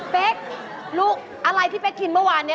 เป๊กลูกอะไรที่เป๊กกินเมื่อวานนี้